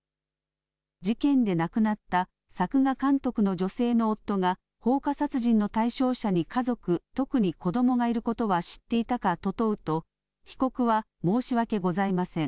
事件で亡くなった作画監督の女性の夫が、放火殺人の対象者に家族、特に子どもがいることは知っていたかと問うと、被告は申し訳ございません。